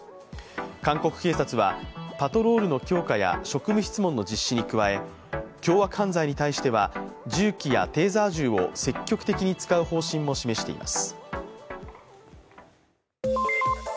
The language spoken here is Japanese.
韓国警察はパトロールの強化や職務質問の実施に加え、凶悪犯罪に対しては銃器やテーザー銃を積極的に使う方針も示しています。